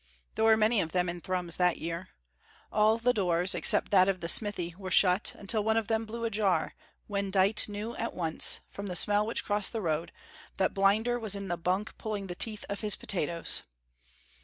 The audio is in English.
There were many of them in Thrums that year. All the doors, except that of the smithy, were shut, until one of them blew ajar, when Dite knew at once, from the smell which crossed the road, that Blinder was in the bunk pulling the teeth of his potatoes.